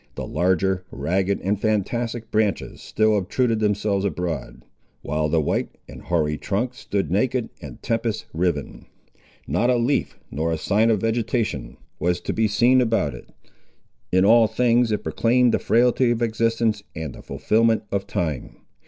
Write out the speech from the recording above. The larger, ragged, and fantastic branches still obtruded themselves abroad, while the white and hoary trunk stood naked and tempest riven. Not a leaf, nor a sign of vegetation, was to be seen about it. In all things it proclaimed the frailty of existence, and the fulfilment of time.